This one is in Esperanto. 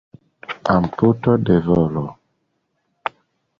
Amputo de volo.